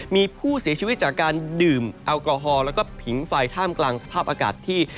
มีผู้เสียชีวิตจากการดื่มแอลกอฮอลแล้วก็ผิงไฟท่ามกลางสภาพอากาศที่